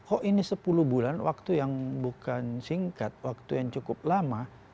oh ini sepuluh bulan waktu yang bukan singkat waktu yang cukup lama